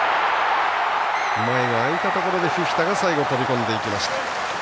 前が空いたところでフィフィタが最後飛び込んでいきました。